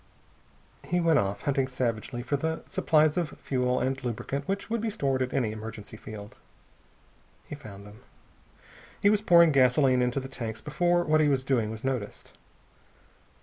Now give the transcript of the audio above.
He went off, hunting savagely for the supplies of fuel and lubricant which would be stored at any emergency field. He found them. He was pouring gasoline into the tanks before what he was doing was noticed.